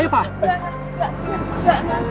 nggak usah nggak usah